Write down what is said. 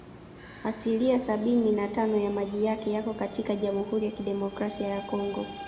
Asilia sabini na tano ya maji yake yako katika Jamhuri ya Kidemokrasia ya Kongo